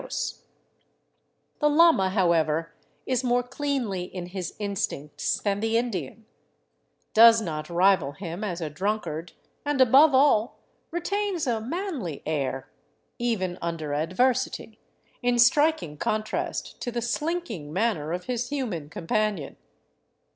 351 VAGABONDING DOWN THE ANDES The llama, however, is more cleanly in his instincts than the In dian ; does not rival him as a drunkard ; and, above all, retains a manly air, even under adversity, in striking contrast to the slinking manner of his human companion.